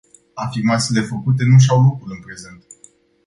Afirmațiile făcute nu își au locul în prezent.